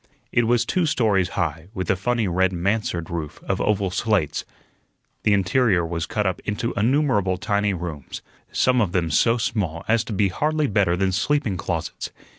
It was two stories high, with a funny red mansard roof of oval slates. The interior was cut up into innumerable tiny rooms, some of them so small as to be hardly better than sleeping closets.